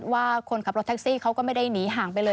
ว่าคนขับรถแท็กซี่เขาก็ไม่ได้หนีห่างไปเลย